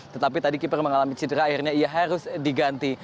tetapi tadi keeper mengalami cedera akhirnya ia harus diganti